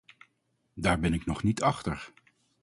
Daar ben ik nog niet achter.